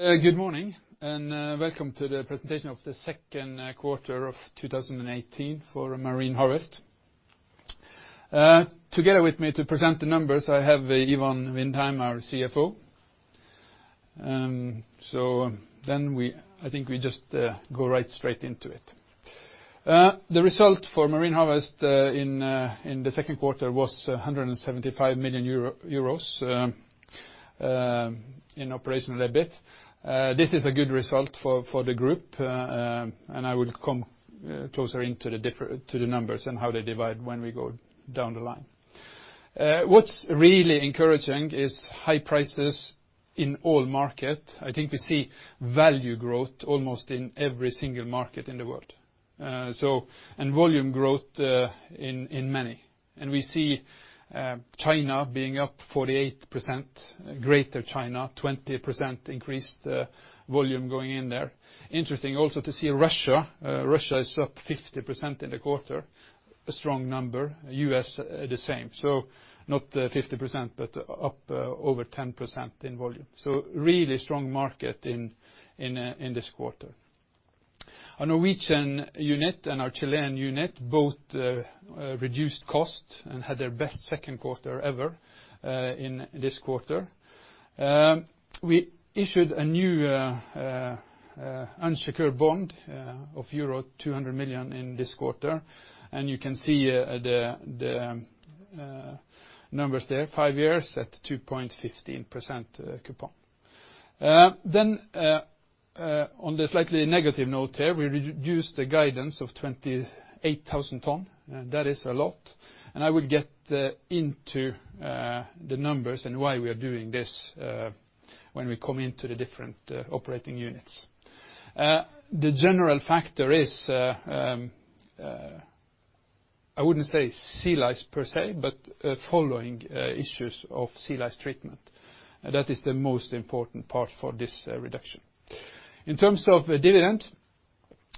Good morning, and welcome to the presentation of the second quarter of 2018 for Marine Harvest. Together with me to present the numbers, I have Ivan Vindheim, our CFO. I think we just go right straight into it. The result for Marine Harvest in the second quarter was 175 million euro in operational EBIT. This is a good result for the group, and I will come closer into the numbers and how they divide when we go down the line. What's really encouraging is high prices in all markets. I think we see value growth almost in every single market in the world, and volume growth in many. We see China being up 48%, greater China, 20% increased volume going in there. Interesting also to see Russia. Russia is up 50% in the quarter, a strong number. U.S., the same. Not 50%, but up over 10% in volume. Really strong market in this quarter. Our Norwegian unit and our Chilean unit both reduced cost and had their best second quarter ever in this quarter. We issued a new unsecured bond of euro 200 million in this quarter, and you can see the numbers there, five years at 2.15% coupon. On the slightly negative note there, we reduced the guidance of 28,000 tonnes. That is a lot, and I will get into the numbers and why we are doing this when we come into the different operating units. The general factor is, I wouldn't say sea lice per se, but following issues of sea lice treatment. That is the most important part for this reduction. In terms of dividend,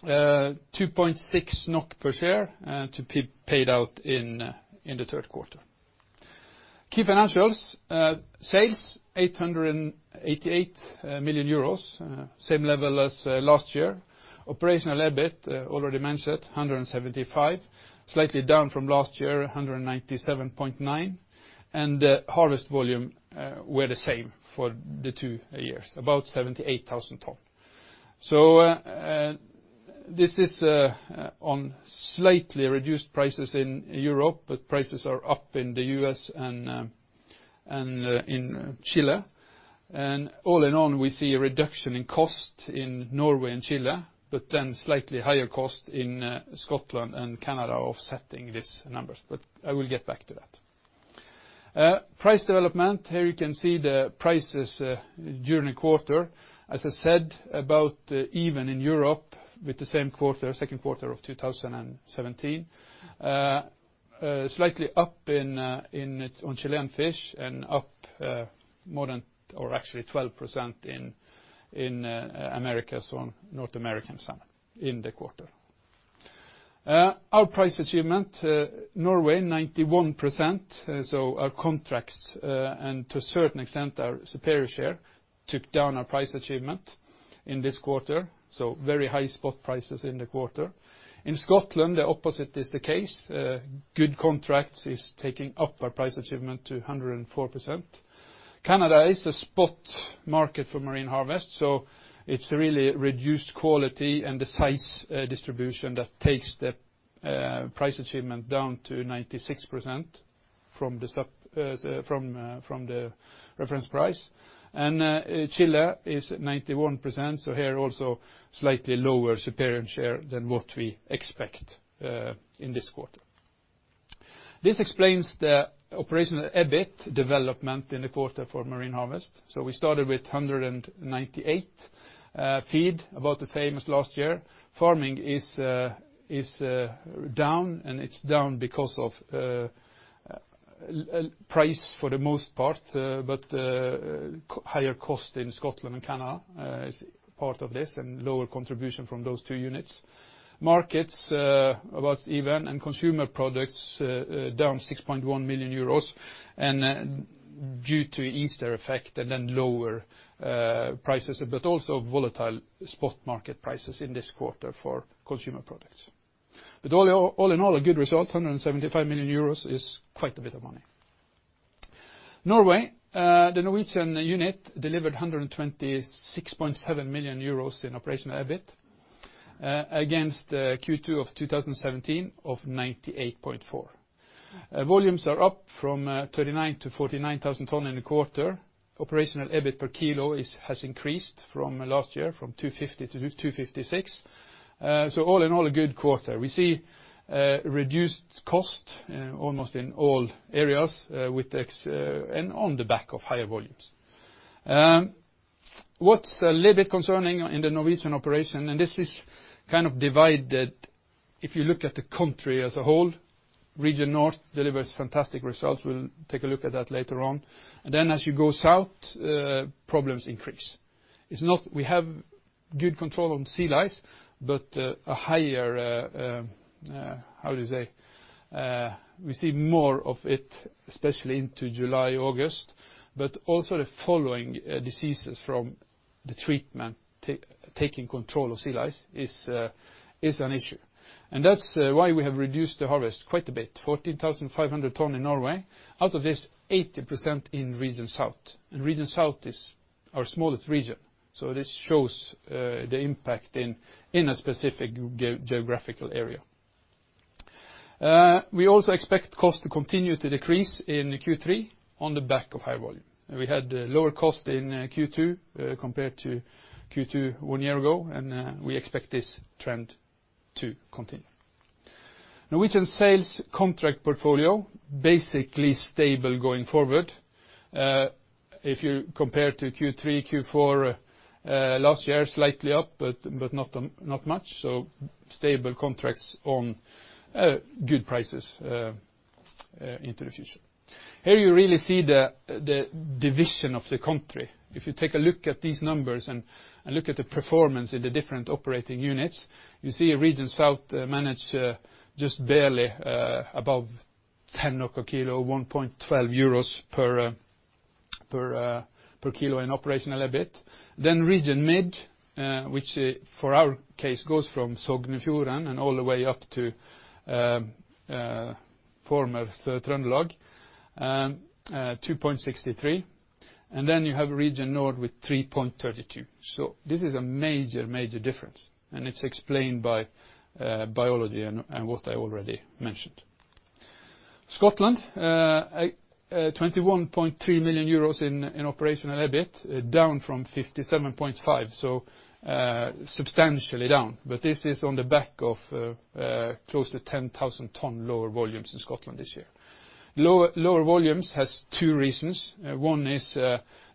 2.6 NOK per share to be paid out in the third quarter. Key financials, sales 888 million euros, same level as last year. Operational EBIT, already mentioned, 175, slightly down from last year, 197.9. Harvest volume were the same for the two years, about 78,000 tonnes. This is on slightly reduced prices in Europe, but prices are up in the U.S. and in Chile. All in all, we see a reduction in cost in Norway and Chile, but then slightly higher cost in Scotland and Canada offsetting these numbers, but I will get back to that. Price development, here you can see the prices during the quarter. As I said, about even in Europe with the same quarter, second quarter of 2017. Slightly up on Chilean fish and up more than, or actually 12% in Americas, on North American salmon in the quarter. Our price achievement, Norway 91%. Our contracts, and to a certain extent, our superior share, took down our price achievement in this quarter. Very high spot prices in the quarter. In Scotland, the opposite is the case. Good contracts is taking up our price achievement to 104%. Canada is a spot market for Marine Harvest. It's really reduced quality and the size distribution that takes the price achievement down to 96% from the reference price. Chile is 91%. Here also slightly lower superior share than what we expect in this quarter. This explains the operational EBIT development in the quarter for Marine Harvest. We started with 198. Feed, about the same as last year. Farming is down, and it's down because of price for the most part, but higher cost in Scotland and Canada is part of this, and lower contribution from those two units. Markets, about even, and consumer products down 6.1 million euros due to Easter effect and then lower prices, but also volatile spot market prices in this quarter for consumer products. All in all, a good result, 175 million euros is quite a bit of money. Norway. The Norwegian unit delivered 126.7 million euros in operational EBIT against Q2 of 2017 of 98.4 million. Volumes are up from 39,000 to 49,000 tonnes in the quarter. Operational EBIT per kilo has increased from last year from 250 to 256. All in all, a good quarter. We see reduced cost almost in all areas and on the back of higher volumes. What's a little bit concerning in the Norwegian operation, and this is kind of divided if you look at the country as a whole, Region North delivers fantastic results. We'll take a look at that later on. As you go south, problems increase. It's not good control on sea lice, but a higher, how do you say? We see more of it, especially into July, August. Also the following diseases from the treatment, taking control of sea lice is an issue. That's why we have reduced the harvest quite a bit, 14,500 ton in Norway. Out of this, 80% in Region South. Region South is our smallest region. This shows the impact in a specific geographical area. We also expect cost to continue to decrease in Q3 on the back of high volume. We had lower cost in Q2 compared to Q2 one year ago, and we expect this trend to continue. Norwegian sales contract portfolio, basically stable going forward. If you compare to Q3, Q4 last year, slightly up, but not much. Stable contracts on good prices into the future. Here you really see the division of the country. If you take a look at these numbers and look at the performance in the different operating units, you see region south manage just barely above 10 NOK a kilo, 1.12 euros per kilo in operational EBIT. Region mid, which for our case goes from Sogn og Fjordane and all the way up to former Trøndelag, NOK 2.63. You have Region North with 3.32. This is a major difference, and it's explained by biology and what I already mentioned. Scotland, 21.3 million euros in operational EBIT, down from 57.5 million, substantially down. This is on the back of close to 10,000 tonnes lower volumes in Scotland this year. Lower volumes has two reasons. One is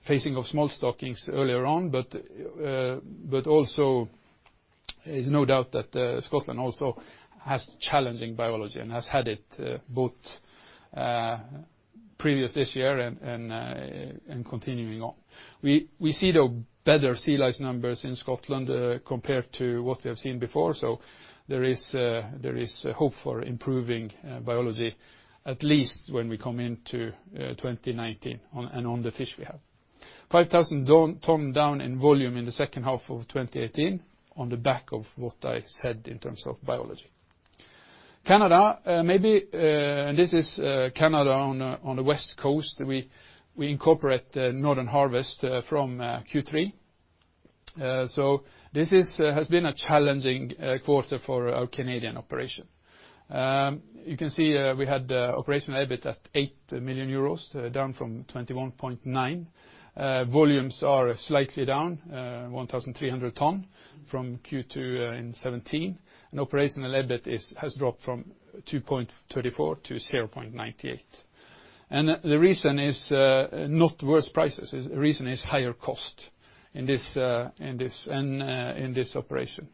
phasing of smolt stockings earlier on, also is no doubt that Scotland also has challenging biology and has had it both previous this year and continuing on. We see the better sea lice numbers in Scotland compared to what they have seen before, there is hope for improving biology, at least when we come into 2019 on the fish we have. 5,000 tonnes down in volume in the second half of 2018 on the back of what I said in terms of biology. Canada, this is Canada on the west coast. We incorporate Northern Harvest from Q3. This has been a challenging quarter for our Canadian operation. You can see we had operational EBIT at 8 million euros, down from 21.9. Volumes are slightly down, 1,300 tonnes from Q2 2017. Operational EBIT has dropped from 2.34 to 0.98. The reason is not worse prices, the reason is higher cost in this operation.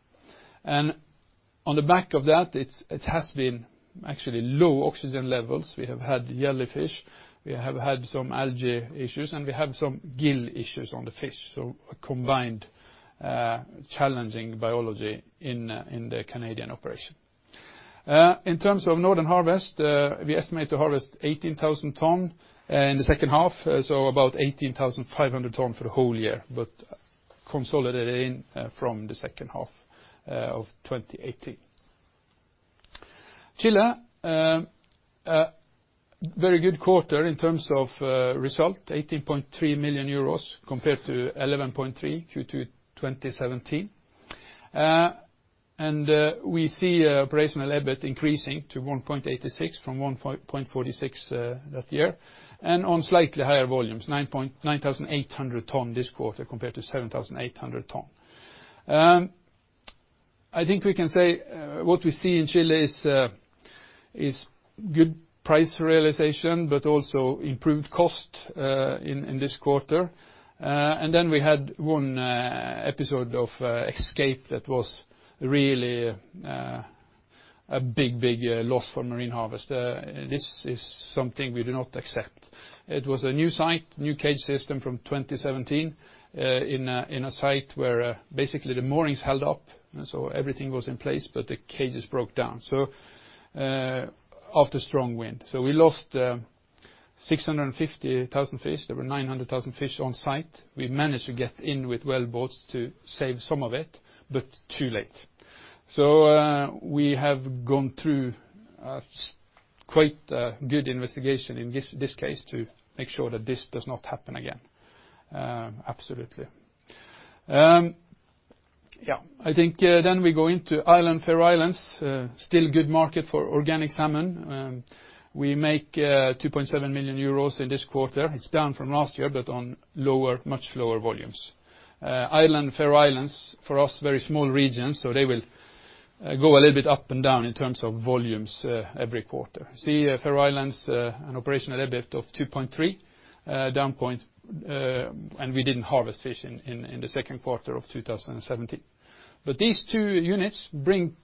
On the back of that, it has been actually low oxygen levels. We have had jellyfish, we have had some algae issues, and we have some gill issues on the fish, so a combined challenging biology in the Canadian operation. In terms of Northern Harvest, we estimate to harvest 18,000 tonnes in the second half, so about 18,500 tonnes for the whole year, but consolidated in from the second half of 2018. Chile, a very good quarter in terms of result, 18.3 million euros compared to 11.3 Q2 2017. We see operational EBIT increasing to 1.86 from 1.46 that year and on slightly higher volumes, 9,800 tonnes this quarter compared to 7,800 tonnes. I think we can say what we see in Chile is good price realization, but also improved cost in this quarter. We had one episode of escape that was really a big, big loss for Marine Harvest. This is something we do not accept. It was a new site, new cage system from 2017 in a site where basically the moorings held up, so everything was in place, but the cages broke down, so after strong wind. We lost 650,000 fish. There were 900,000 fish on site. We managed to get in with well boats to save some of it, but too late. We have gone through quite a good investigation in this case to make sure that this does not happen again. Absolutely. We go into Ireland, Faroe Islands, still good market for organic salmon. We make 2.7 million euros in this quarter. It's down from last year, but on much lower volumes. Ireland, Faroe Islands, for us, very small regions, they will go a little bit up and down in terms of volumes every quarter. See Faroe Islands, an operational EBIT of 2.3 million, we didn't harvest fish in the second quarter of 2017. These two units bring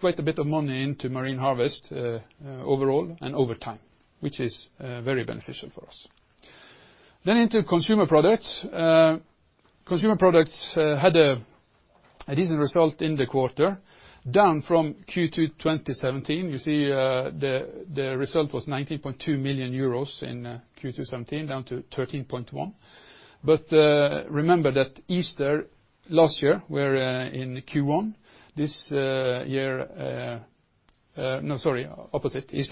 quite a bit of money into Marine Harvest overall and over time, which is very beneficial for us. Into consumer products. Consumer products had a decent result in the quarter, down from Q2 2017. You see the result was 90.2 million euros in Q2 2017, down to 13.1. Remember that Easter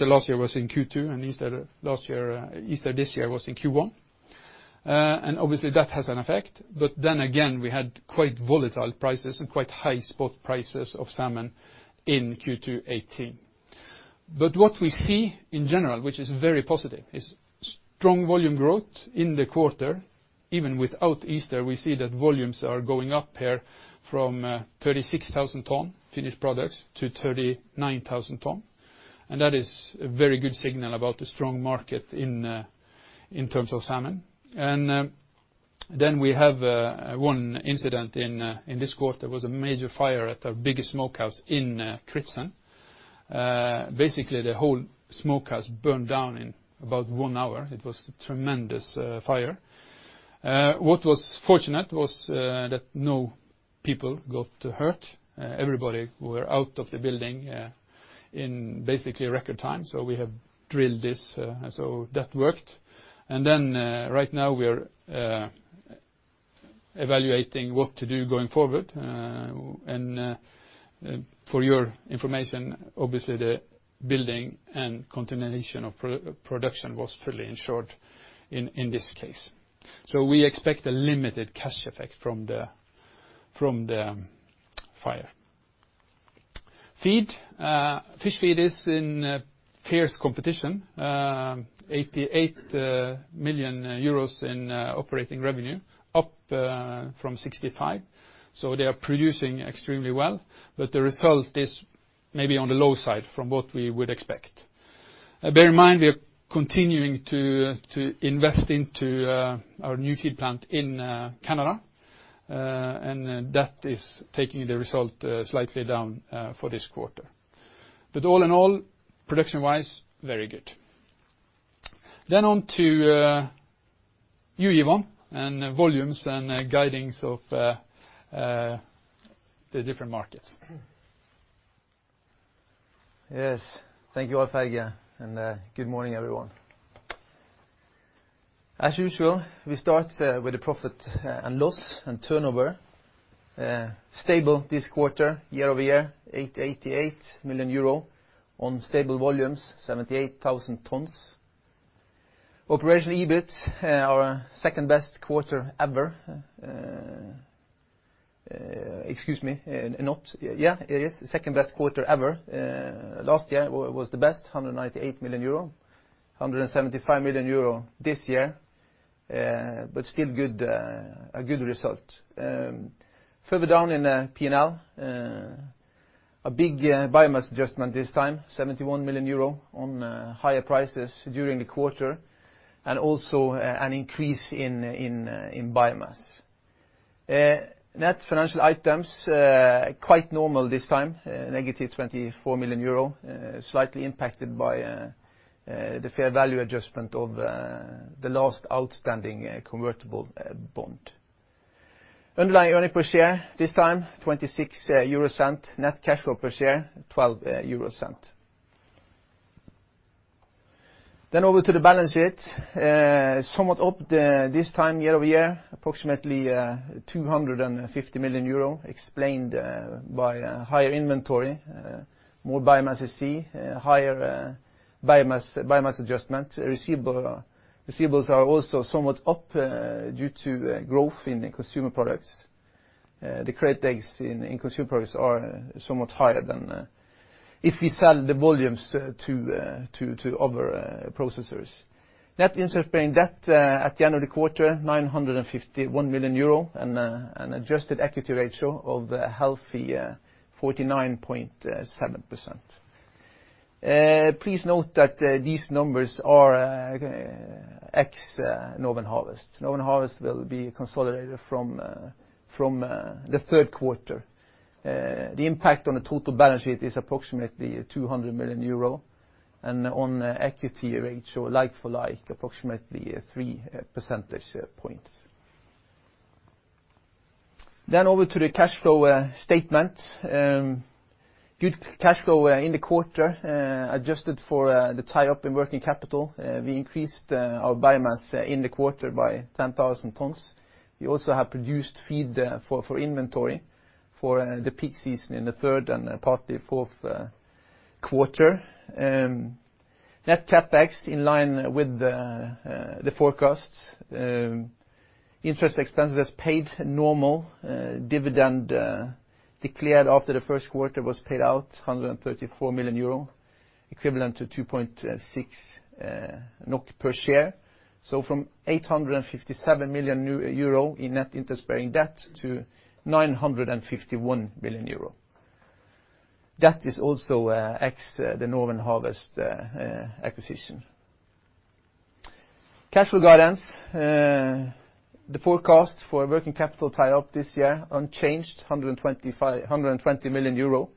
last year was in Q2, and Easter this year was in Q1. Obviously that has an effect. Again, we had quite volatile prices and quite high spot prices of salmon in Q2 2018. What we see in general, which is very positive, is strong volume growth in the quarter. Even without Easter, we see that volumes are going up here from 36,000 tonnes finished products to 39,000 tonnes. That is a very good signal about the strong market in terms of salmon. We have one incident in this quarter was a major fire at our biggest smokehouse in Kritsen. Basically, the whole smokehouse burned down in about one hour. It was a tremendous fire. What was fortunate was that no people got hurt. Everybody was out of the building in basically record time. We have drilled this, so that worked. Right now we are evaluating what to do going forward. For your information, obviously the building and continuation of production was fully insured in this case. We expect a limited cash effect from the fire. Feed. Fish feed is in fierce competition, 88 million euros in operating revenue, up from 65 million. They are producing extremely well, but the result is maybe on the low side from what we would expect. Bear in mind, we are continuing to invest into our new feed plant in Canada, and that is taking the result slightly down for this quarter. All in all, production-wise, very good. On to you, Ivan, and volumes and guidings of the different markets. Yes. Thank you, Alf-Helge, and good morning, everyone. As usual, we start with the profit and loss and turnover. Stable this quarter, year-over-year, 888 million euro on stable volumes, 78,000 tonnes. Operational EBIT, our second-best quarter ever. Excuse me. Second-best quarter ever. Last year was the best, 198 million euro, 175 million euro this year, but still a good result. Further down in P&L, a big biomass adjustment this time, 71 million euro on higher prices during the quarter and also an increase in biomass. Net financial items, quite normal this time, -24 million euro, slightly impacted by the fair value adjustment of the last outstanding convertible bond. Underlying earnings per share this time, 0.26, net cash flow per share, 0.12. Over to the balance sheet. Somewhat up this time year-over-year, approximately 250 million euro, explained by higher inventory, more biomass at sea, higher biomass adjustment. Receivables are also somewhat up due to growth in consumer products. The credit days in consumer products are somewhat higher than if we sell the volumes to other processors. Net interest-bearing debt at the end of the quarter, 951 million euro and an adjusted equity ratio of a healthy 49.7%. Please note that these numbers are ex-Northern Harvest. Northern Harvest will be consolidated from the third quarter. The impact on the total balance sheet is approximately 200 million euro, and on equity ratio, like for like, approximately 3 percentage points. Over to the cash flow statement. Good cash flow in the quarter, adjusted for the tie-up in working capital. We increased our biomass in the quarter by 10,000 tonnes. We also have produced feed for inventory for the peak season in the third and partly fourth quarter. Net CapEx in line with the forecasts. Interest expense was paid normal. Dividend declared after the first quarter was paid out, 134 million euro, equivalent to 2.6 NOK per share. From 857 million euro in net interest-bearing debt to 951 million euro. That is also ex the Northern Harvest acquisition. Cash flow guidance. The forecast for working capital tie-up this year unchanged, 120 million euro.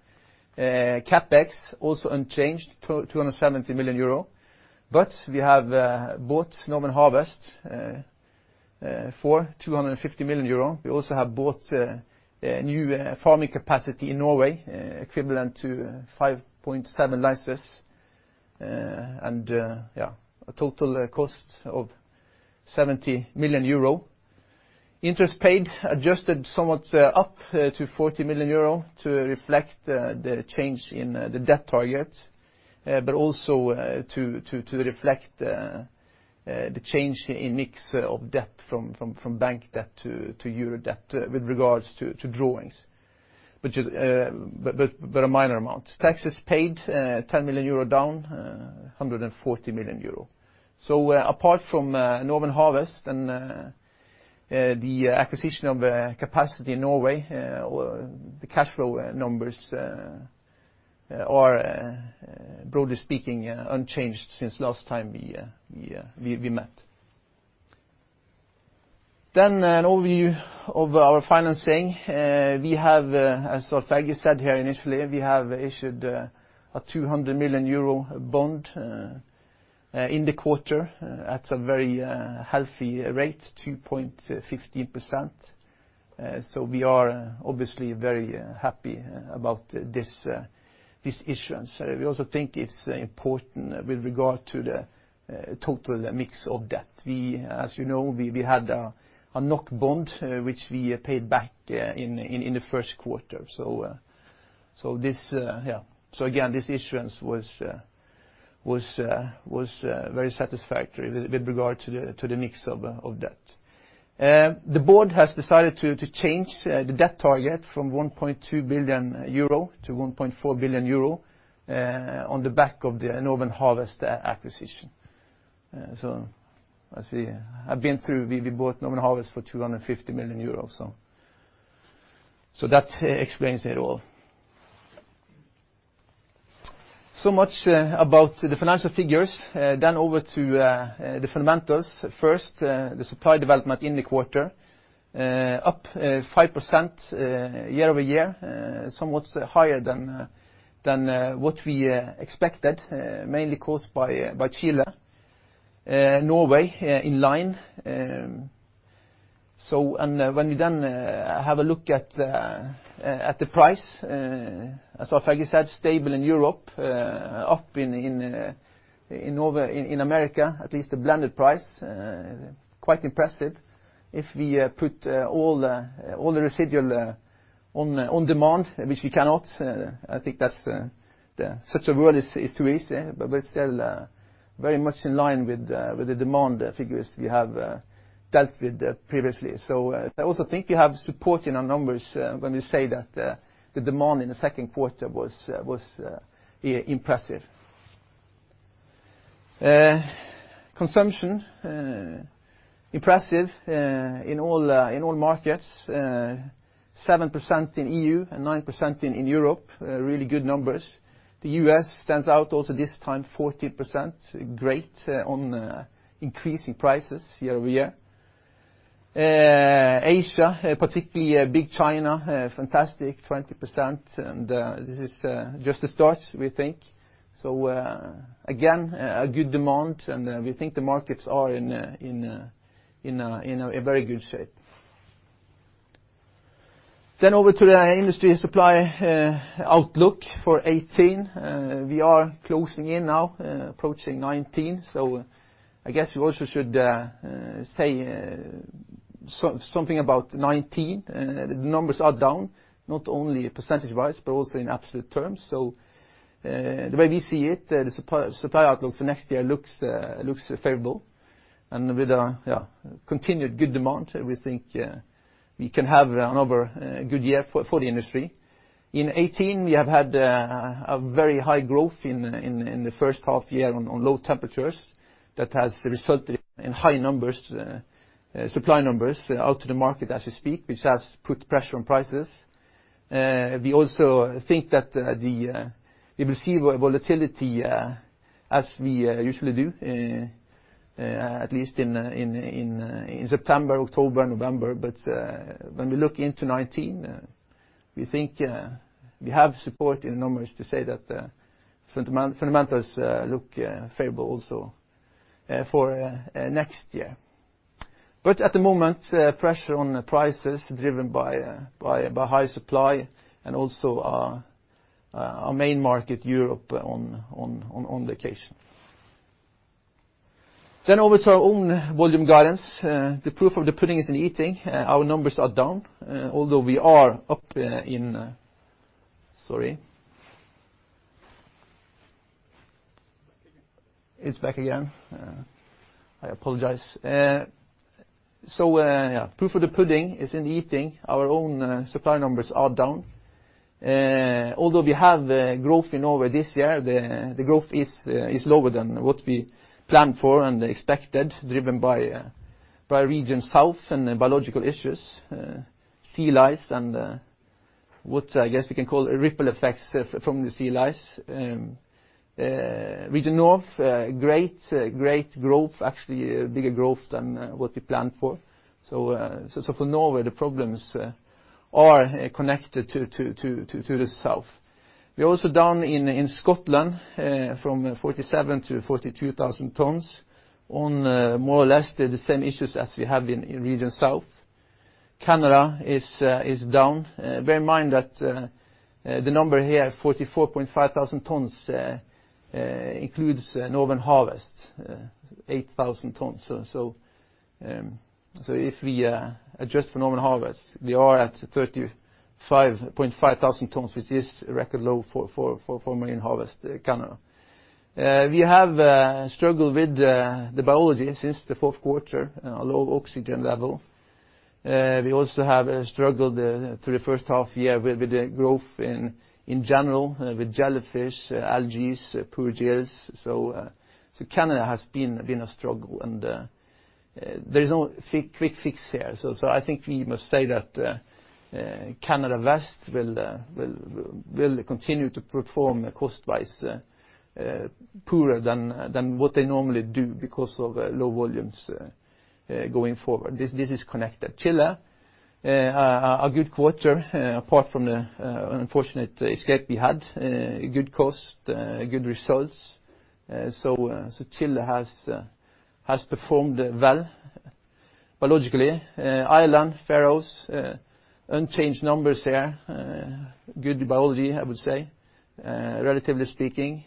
CapEx also unchanged, 270 million euro. We have bought Northern Harvest for 250 million euro. We also have bought a new farming capacity in Norway, equivalent to 5.7 licenses, and a total cost of 70 million euro. Interest paid, adjusted somewhat up to 40 million euro to reflect the change in the debt target, but also to reflect the change in mix of debt from bank debt to euro debt with regards to drawings, but a minor amount. Taxes paid, 10 million euro down, 140 million euro. Apart from Northern Harvest and the acquisition of capacity in Norway, the cash flow numbers are, broadly speaking, unchanged since last time we met. An overview of our financing. As Alf-Helge said here initially, we have issued a 200 million euro bond in the quarter at a very healthy rate, 2.15%. We are obviously very happy about this issuance. We also think it's important with regard to the total mix of debt. As you know, we had a NOK bond, which we paid back in the first quarter. Again, this issuance was very satisfactory with regard to the mix of debt. The board has decided to change the debt target from 1.2 billion euro to 1.4 billion euro on the back of the Northern Harvest acquisition. As we have been through, we bought Northern Harvest for 250 million euros. That explains it all. Much about the financial figures. Over to the fundamentals. First, the supply development in the quarter, up 5% year-over-year, somewhat higher than what we expected, mainly caused by Chile. Norway in line. When we then have a look at the price, as Alf-Helge said, stable in Europe, up in America, at least the blended price, quite impressive. If we put all the residual on demand, which we cannot, I think such a world is too easy, but we're still very much in line with the demand figures we have dealt with previously. I also think you have support in our numbers when we say that the demand in the second quarter was impressive. Consumption, impressive in all markets. 7% in EU and 9% in Europe, really good numbers. The U.S. stands out also this time, 14%, great on increasing prices year-over-year. Asia, particularly big China, fantastic, 20%, and this is just the start, we think. Again, a good demand, and we think the markets are in a very good shape. Over to the industry supply outlook for 2018. We are closing in now, approaching 2019. I guess we also should say something about 2019. The numbers are down, not only percentage-wise, but also in absolute terms. The way we see it, the supply outlook for next year looks favorable. With a continued good demand, we think we can have another good year for the industry. In 2018, we have had a very high growth in the first half year on low temperatures that has resulted in high supply numbers out to the market as we speak, which has put pressure on prices. We also think that we will see volatility as we usually do, at least in September, October, November. When we look into 2019, we think we have support in the numbers to say that fundamentals look favorable also for next year. At the moment, pressure on prices driven by high supply and also our main market, Europe, on the occasion. Over to our own volume guidance. The proof of the pudding is in eating. Our numbers are down, although we are up in Sorry. It's back again. I apologize. Proof of the pudding is in the eating. Our own supply numbers are down. Although we have growth in Norway this year, the growth is lower than what we planned for and expected, driven by region south and biological issues, sea lice and what I guess we can call ripple effects from the sea lice. Region North, great growth. Actually, bigger growth than what we planned for. For Norway, the problems are connected to the south. We're also down in Scotland from 47,000 to 42,000 tonnes on more or less the same issues as we have in region south. Canada is down. Bear in mind that the number here, 44,500 tonnes, includes Northern Harvest, 8,000 tonnes. If we adjust for Northern Harvest, we are at 35,500 tonnes, which is record low for Marine Harvest Canada. We have struggled with the biology since the fourth quarter, low oxygen level. We also have struggled through the first half year with the growth in general, with jellyfish, algae, poor gills. Canada has been a struggle and there is no quick fix here. I think we must say that Canada West will continue to perform cost-wise poorer than what they normally do because of low volumes going forward. This is connected. Chile, a good quarter apart from the unfortunate escape we had. Good cost, good results. Chile has performed well biologically. Ireland, Faroes, unchanged numbers there. Good biology, I would say, relatively speaking.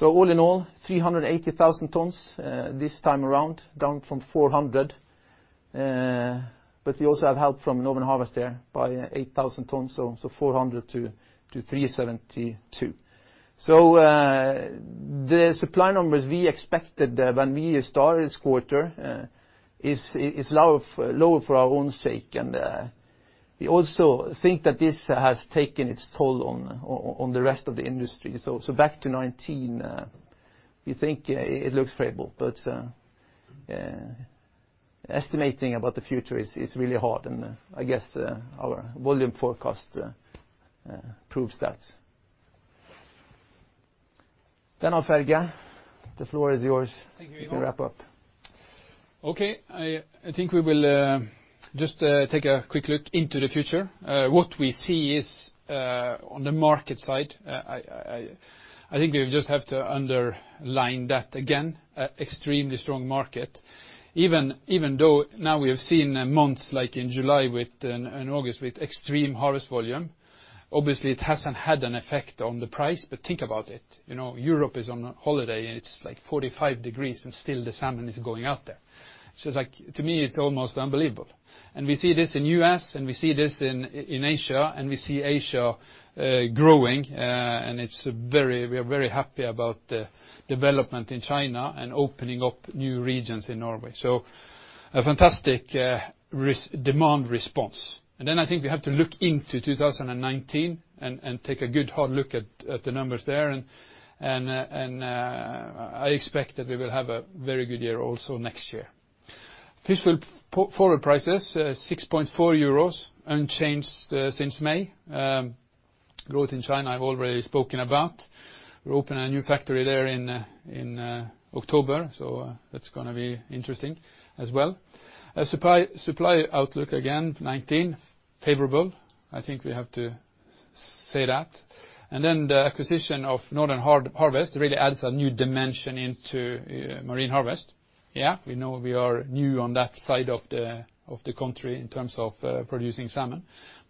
All in all, 380,000 tonnes this time around, down from 400, but we also have help from Northern Harvest there by 8,000 tonnes, 400 to 372. The supply numbers we expected when we started this quarter is lower for our own sake. We also think that this has taken its toll on the rest of the industry. Back to 2019, we think it looks favorable but estimating about the future is really hard, and I guess our volume forecast proves that. Alf-Helge, the floor is yours. Thank you, Ivan. You can wrap up. Okay. I think we will just take a quick look into the future. What we see is on the market side, I think we just have to underline that again, extremely strong market. Even though now we have seen months like in July and August with extreme harvest volume, obviously it hasn't had an effect on the price. Think about it, Europe is on holiday and it's like 45 degrees and still the salmon is going out there. To me, it's almost unbelievable. We see this in the U.S. and we see this in Asia and we see Asia growing. We are very happy about the development in China and opening up new regions in Norway. A fantastic demand response. I think we have to look into 2019 and take a good hard look at the numbers there. I expect that we will have a very good year also next year. Fish oil forward prices, 6.4 euros, unchanged since May. Growth in China, I've already spoken about. We open a new factory there in October, that's going to be interesting as well. Supply outlook, again, 2019 favorable. I think we have to say that. The acquisition of Northern Harvest really adds a new dimension into Marine Harvest. We know we are new on that side of the country in terms of producing salmon,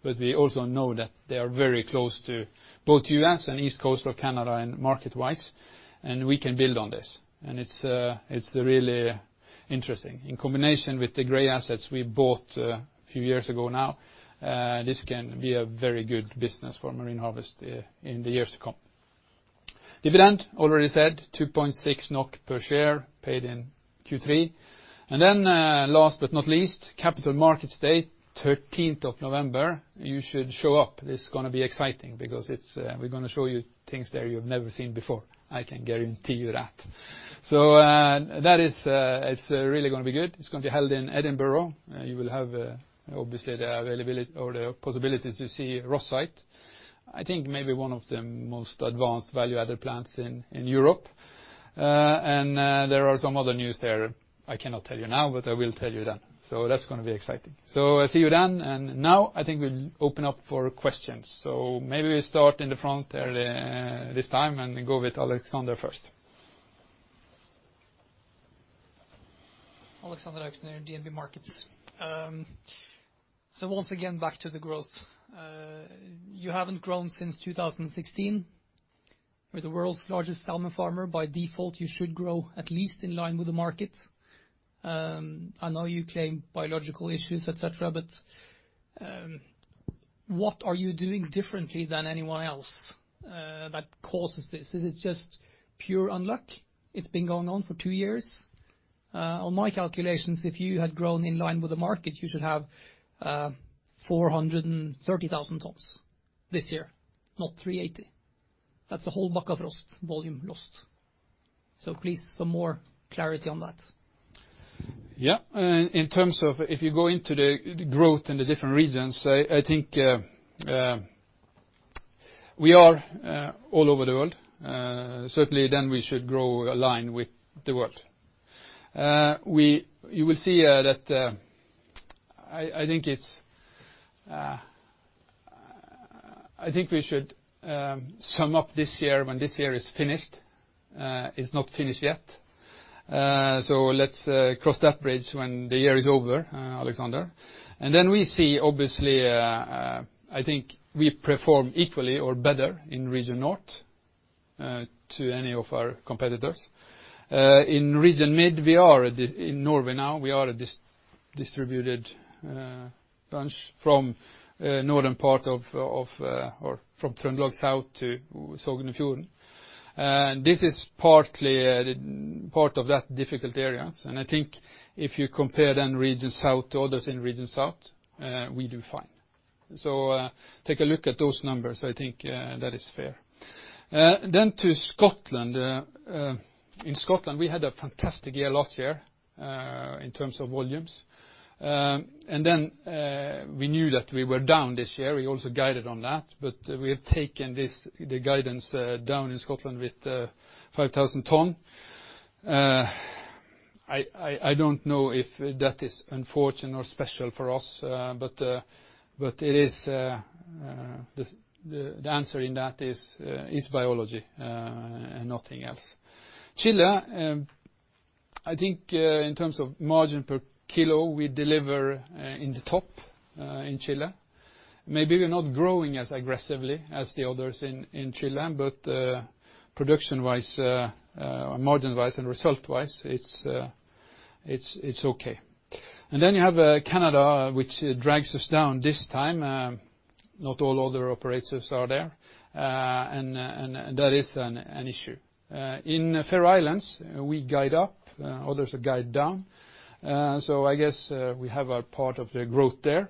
we also know that they are very close to both U.S. and east coast of Canada and market-wise, we can build on this. It's really interesting. In combination with the Gray assets we bought a few years ago now, this can be a very good business for Marine Harvest in the years to come. Dividend, already said, 2.6 NOK per share paid in Q3. Last but not least, capital markets date, 13th of November. You should show up. It's going to be exciting because we're going to show you things there you've never seen before, I can guarantee you that. That is really going to be good. It's going to be held in Edinburgh. You will have obviously the possibilities to see Rosyth. I think maybe one of the most advanced value-added plants in Europe. There are some other news there I cannot tell you now, but I will tell you then. That's going to be exciting. I see you then and now I think we'll open up for questions. Maybe we start in the front early this time and go with Alexander first. Alexander Aukner, DNB Markets. Once again, back to the growth. You haven't grown since 2016. You're the world's largest salmon farmer. By default, you should grow at least in line with the market. I know you claim biological issues, etc., but what are you doing differently than anyone else that causes this? Is it just pure unluck? It's been going on for two years. On my calculations, if you had grown in line with the market, you should have 430,000 tonnes this year, not 380. That's a whole Bakkafrost volume lost. Please, some more clarity on that. Yeah. In terms of if you go into the growth in the different regions, I think we are all over the world. Certainly, we should grow in line with the world. You will see that I think we should sum up this year when this year is finished. It's not finished yet. Let's cross that bridge when the year is over, Alexander. We see, obviously, I think we perform equally or better in Region North to any of our competitors. In Region Mid, we are in Norway now. We are a distributed bunch from Northern part of Trøndelag south to Sogn og Fjordane. This is partly part of that difficult areas. I think if you compare then Region South to others in Region South, we do fine. Take a look at those numbers. I think that is fair. To Scotland. In Scotland, we had a fantastic year last year in terms of volumes. We knew that we were down this year. We also guided on that, but we have taken the guidance down in Scotland with 5,000 tonnes. I don't know if that is unfortunate or special for us, but the answer in that is biology and nothing else. Chile, I think in terms of margin per kilo, we deliver in the top in Chile. Maybe we're not growing as aggressively as the others in Chile, but production-wise, margin-wise, and result-wise, it's okay. You have Canada, which drags us down this time. Not all other operators are there. That is an issue. In Faroe Islands, we guide up, others guide down. I guess we have our part of the growth there.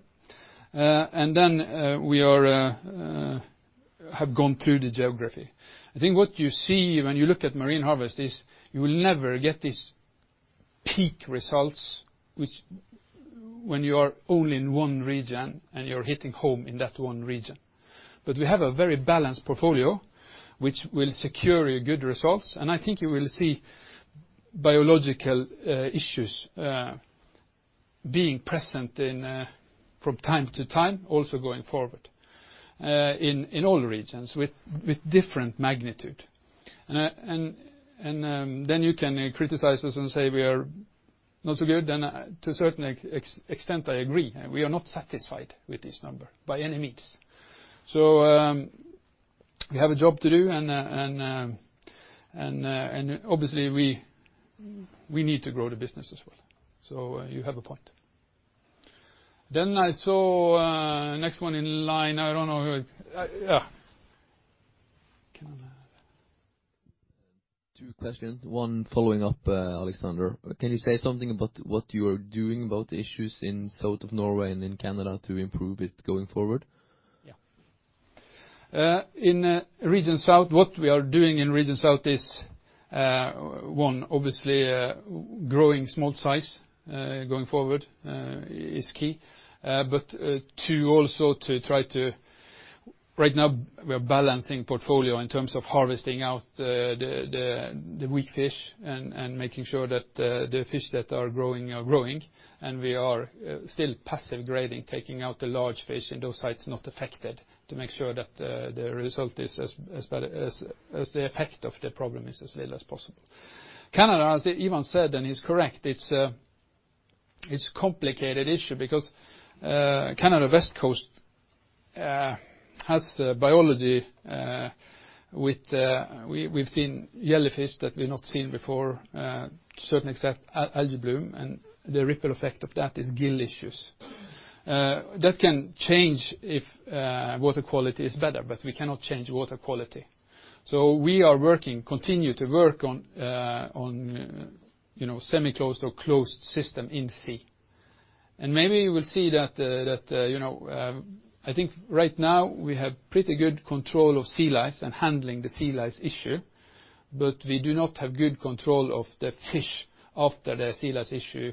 We have gone through the geography. I think what you see when you look at Marine Harvest is you will never get these peak results, which when you are only in one region and you're hitting home in that one region. We have a very balanced portfolio, which will secure you good results. I think you will see biological issues being present from time to time, also going forward in all regions with different magnitude. You can criticize us and say we are not so good. To a certain extent, I agree. We are not satisfied with this number, by any means. We have a job to do and obviously, we need to grow the business as well. You have a point. I saw next one in line. I don't know who it. Yeah. Canada. Two questions, one following up Alexander. Can you say something about what you are doing about the issues in South of Norway and in Canada to improve it going forward? Yeah. In Region South, what we are doing in Region South is, one, obviously growing small size going forward is key. Two, also right now, we are balancing portfolio in terms of harvesting out the weak fish and making sure that the fish that are growing are growing, and we are still passive grading, taking out the large fish in those sites not affected to make sure that the result is as the effect of the problem is as little as possible. Canada, as Ivan said, and he's correct, it's a complicated issue because Canada West Coast has biology. We've seen jellyfish that we've not seen before, to a certain extent, algae bloom, and the ripple effect of that is gill issues. That can change if water quality is better, we cannot change water quality. We are working, continue to work on semi-closed or closed system in sea. I think right now we have pretty good control of sea lice and handling the sea lice issue, but we do not have good control of the fish after the sea lice issue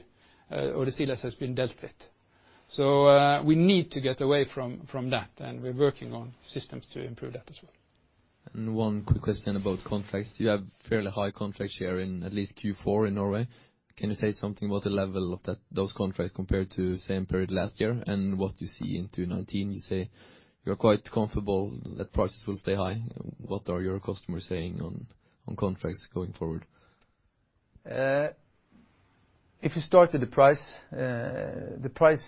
or the sea lice has been dealt with. We need to get away from that, and we're working on systems to improve that as well. One quick question about contracts. You have fairly high contracts here in at least Q4 in Norway. Can you say something about the level of those contracts compared to the same period last year and what you see into 2019? You say you're quite comfortable that prices will stay high. What are your customers saying on contracts going forward? If you start with the price, the price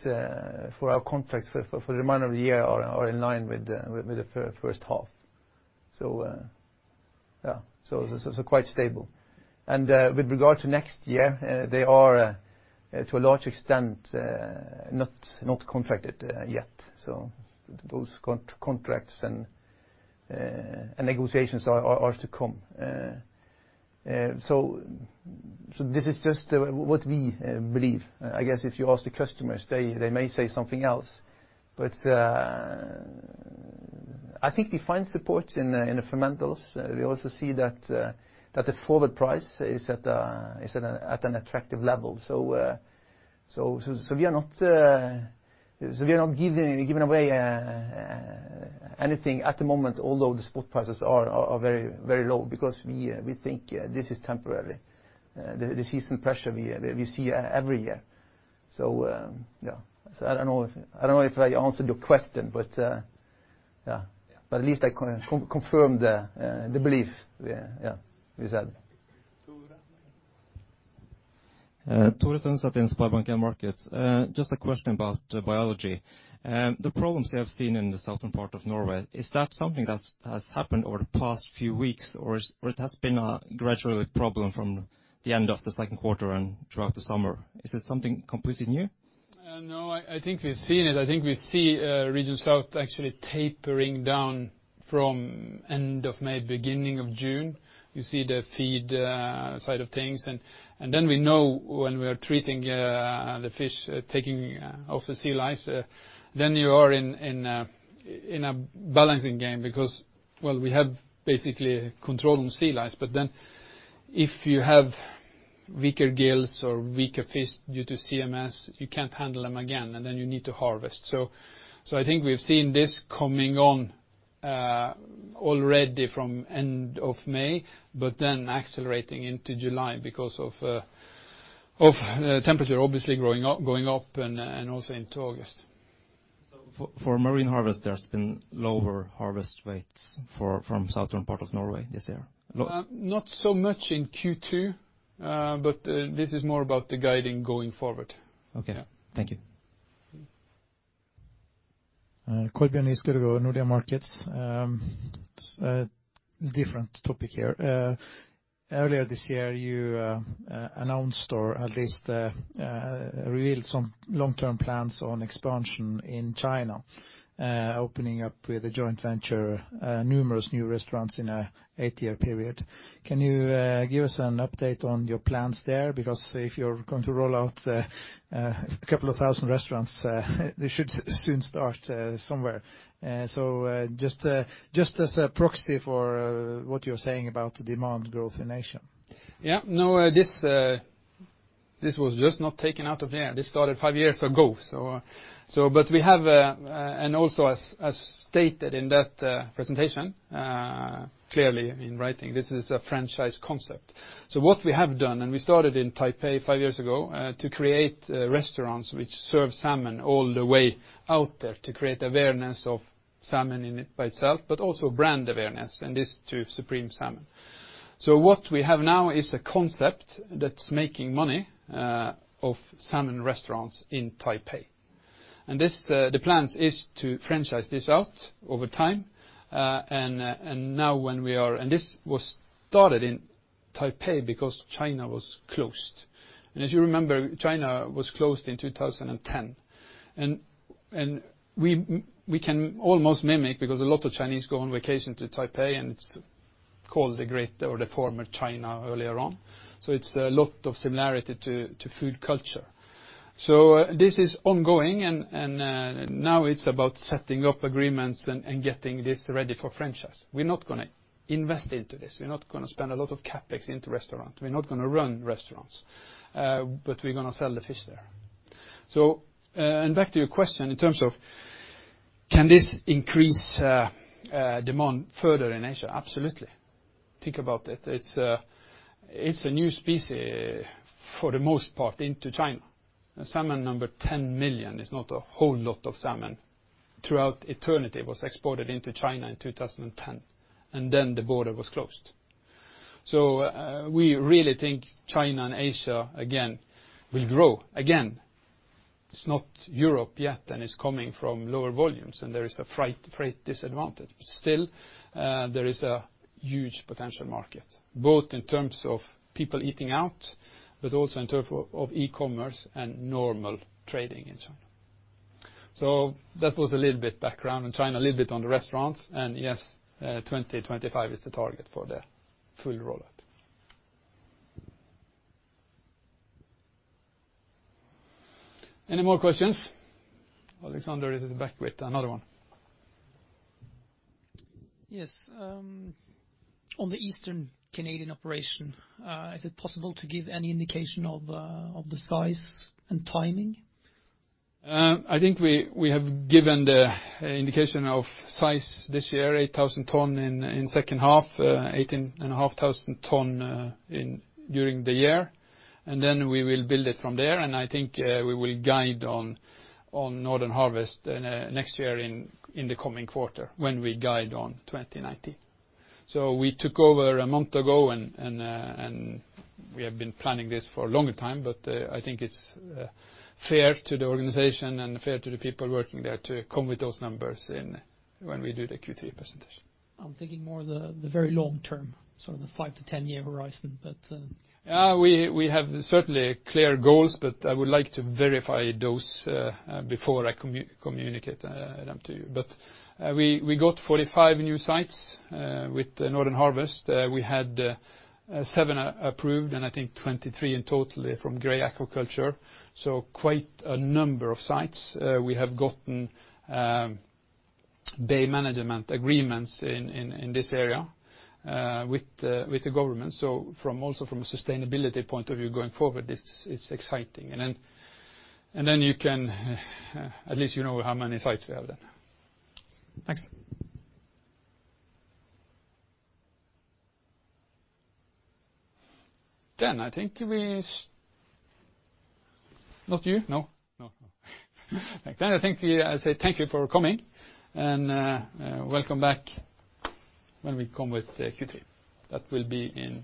for our contracts for the remainder of the year are in line with the first half. Yeah. Quite stable. With regard to next year, they are, to a large extent, not contracted yet. Those contracts and negotiations are to come. This is just what we believe. I guess if you ask the customers, they may say something else. I think we find support in the fundamentals. We also see that the forward price is at an attractive level. We are not giving away anything at the moment, although the spot prices are very low because we think this is temporary. The season pressure we see every year. Yeah. I don't know if I answered your question, but, yeah. Yeah. At least I confirmed the belief, yeah. You said. Tore Tønseth in SpareBank 1 Markets. Just a question about biology. The problems you have seen in the southern part of Norway, is that something that has happened over the past few weeks or it has been a gradual problem from the end of the second quarter and throughout the summer? Is it something completely new? I think we've seen it. I think we see region south actually tapering down from end of May, beginning of June. You see the feed side of things, and then we know when we are treating the fish, taking off the sea lice, then you are in a balancing game because, well, we have basically control on sea lice. If you have weaker gills or weaker fish due to CMS, you can't handle them again, and then you need to harvest. I think we've seen this coming on already from end of May, but then accelerating into July because of the temperature obviously going up and also into August. For Marine Harvest, there's been lower harvest rates from southern part of Norway this year? Not so much in Q2, but this is more about the guiding going forward. Okay. Yeah. Thank you. Kolbjørn Giskeødegård, Nordea Markets. Different topic here. Earlier this year, you announced or at least revealed some long-term plans on expansion in China, opening up with a joint venture, numerous new restaurants in an eight-year period. Can you give us an update on your plans there? Because if you're going to roll out a couple of 1,000 restaurants, they should soon start somewhere. Just as a proxy for what you're saying about the demand growth in Asia. Yeah, no, this was just not taken out of the air. This started five years ago. Also as stated in that presentation, clearly in writing, this is a franchise concept. What we have done, and we started in Taipei five years ago, to create restaurants which serve salmon all the way out there to create awareness of salmon in it by itself, but also brand awareness, and this to Supreme Salmon. What we now is a concept that's making money, of salmon restaurants in Taipei. The plan is to franchise this out over time. This was started in Taipei because China was closed. As you remember, China was closed in 2010. We can almost mimic because a lot of Chinese go on vacation to Taipei, and it's called the great or the former China earlier on. It's a lot of similarity to food culture. This is ongoing, and now it's about setting up agreements and getting this ready for franchise. We're not going to invest into this. We're not going to spend a lot of CapEx into restaurant. We're not going to run restaurants. We're going to sell the fish there. Back to your question in terms of can this increase demand further in Asia? Absolutely. Think about it. It's a new species for the most part into China. Salmon number 10 million is not a whole lot of salmon. Throughout eternity was exported into China in 2010, and then the border was closed. We really think China and Asia again will grow. Again, it's not Europe yet, and it's coming from lower volumes, and there is a freight disadvantage. Still, there is a huge potential market, both in terms of people eating out, also in terms of e-commerce and normal trading in China. That was a little bit background on China, a little bit on the restaurants, and yes, 2025 is the target for the full rollout. Any more questions? Alexander is back with another one. Yes. On the Eastern Canadian operation, is it possible to give any indication of the size and timing? I think we have given the indication of size this year, 8,000 tonnes in second half 2018, 18,500 tonnes during the year. Then we will build it from there. I think we will guide on Northern Harvest next year in the coming quarter when we guide on 2019. We took over a month ago. We have been planning this for a long time. I think it's fair to the organization and fair to the people working there to come with those numbers when we do the Q3 presentation. I'm thinking more the very long term, so the 5- to 10-year horizon. Yeah. We have certainly clear goals, but I would like to verify those before I communicate them to you. We got 45 new sites with Northern Harvest. We had seven approved and I think 23 in total from Gray Aquaculture, so quite a number of sites. We have gotten bay management agreements in this area with the government. Also from a sustainability point of view going forward, it's exciting. Then at least you know how many sites we have then. Thanks. I think we. Not you? No? No. I think I say thank you for coming, and welcome back when we come with Q3. That will be in-